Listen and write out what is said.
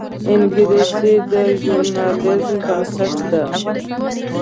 انګلیسي د ژورنالیزم بنسټ ده